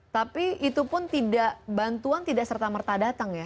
tapi itu pun tidak bantuan tidak serta merta datang ya